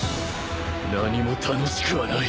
何も楽しくはない。